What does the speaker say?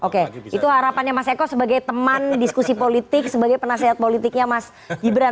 oke itu harapannya mas eko sebagai teman diskusi politik sebagai penasehat politiknya mas gibran